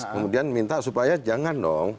kemudian minta supaya jangan dong